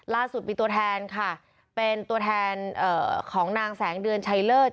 ล่าสุดมีตัวแทนค่ะเป็นตัวแทนของนางแสงเดือนชัยเลิศ